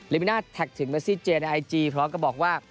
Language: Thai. เลมิน่าแท็กถึงเมสซี่เจในไอจีเพราะเขาก็บอกว่า